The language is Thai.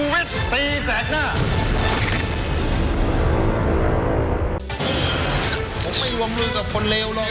ไม่หวน